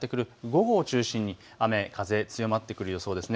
午後を中心に雨風、強まってくる予想です。